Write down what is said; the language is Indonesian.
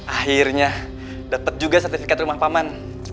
akhirnya dapet juga sertifikat rumah pak man